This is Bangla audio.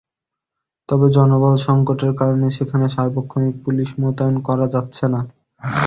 তবে জনবল সংকটের কারণে সেখানে সার্বক্ষণিক পুলিশ মোতায়েন করা যাচ্ছে না।